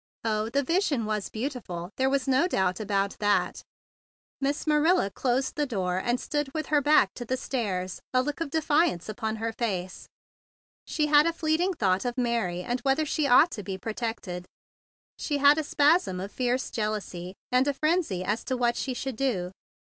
Oh, the vision was beautiful; there was no doubt about that. Miss Marilla closed the door, and stood with her back to the stairs and a look of defence upon her face. She had a fleeting thought of Mary and whether she ought to be protected. She had a spasm of fierce jealousy, and a frenzy as to what she should do.